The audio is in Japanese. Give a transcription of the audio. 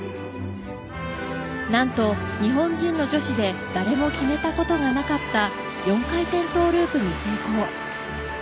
何と日本人の女子で誰も決めたことがなかった４回転トゥループに成功。